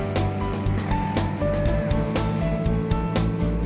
kayaknya di dalam sepi deh